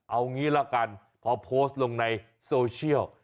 เอางี้ละกันพอโพสต์ลงในโซเชียล